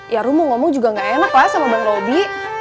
ya rum mau ngomong juga gak enak lah sama bang robby